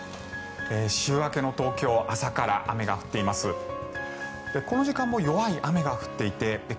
週明けの東京朝から雨が降っています。